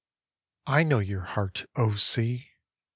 I know your heart, O Sea!